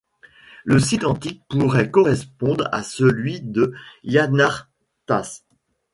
Le site antique pourrait correspondre à celui de Yanartaş.